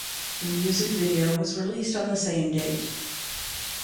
The music video was released on the same date.